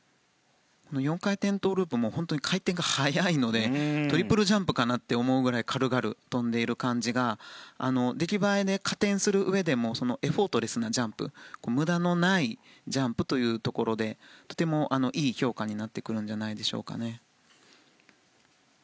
４回転トウループも回転が速いのでトリプルジャンプかなと思うぐらい軽々跳んでいる感じが出来栄えで加点するうえでもエフォートレスなジャンプ無駄のないジャンプというところでとてもいい評価になってくるのではないでしょうか。